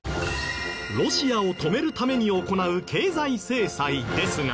ロシアを止めるために行う経済制裁ですが。